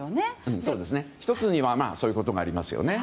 １つにはそういうことがありますよね。